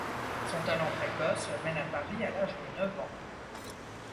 Son talent précoce le mène à Paris à l’âge de neuf ans.